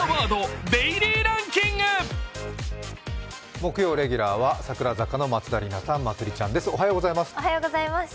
木曜日レギュラーは櫻坂の松田里奈さん、まつりちゃんです。